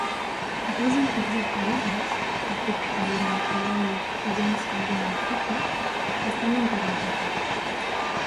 Dos antics arquebisbes, Patrick Cardinal O'Boyle i James Cardinal Hickey, estan enterrats aquí.